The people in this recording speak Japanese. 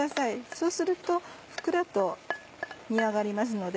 そうするとふっくらと煮上がりますので。